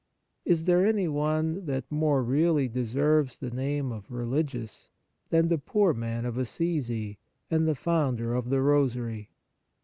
Is there anyone that more really deserves the name of " religious " than the poor man of Assisi and the founder of the Rosary